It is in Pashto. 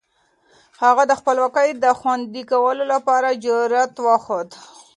هغه د خپلواکۍ د خوندي کولو لپاره جرئت وښود.